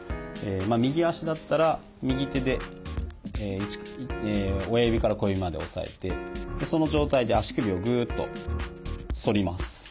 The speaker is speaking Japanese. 右足だったら右手で親指から小指まで押さえてその状態で足首をグッと反ります。